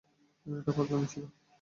এটা পাগলামি ছিল!